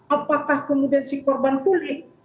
apakah kemudian si korban pulih